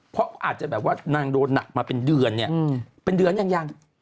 เพราะอาจจะแบบว่านางโดนหนักมาเป็นเดือนเนี่ยเป็นเดือนยังยัง